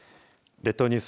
列島ニュース